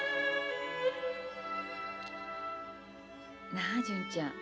なあ純ちゃん。